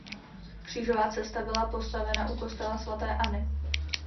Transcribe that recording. Křížová cesta byla postavena u kostela Svaté Anny.